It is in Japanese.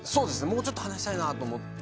もうちょっと話したいなと思って。